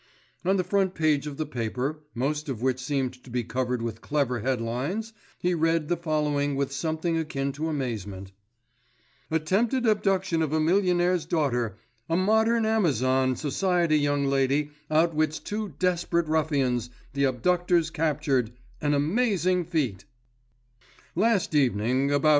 On the front page of the paper, most of which seemed to be covered with clever headlines, he read the following with something akin to amazement: ATTEMPTED ABDUCTION OP A MILLIONAIRE'S DAUGHTER A MODERN AMAZON SOCIETY YOUNG LADY OUTWITS TWO DESPERATE RUFFIANS THE ABDUCTORS CAPTURED AN AMAZING FEAT "Last evening, about 9.